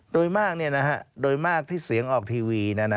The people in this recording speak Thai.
โดยมากเนี่ยนะฮะโดยมากที่เสียงออกทีวีนะฮะ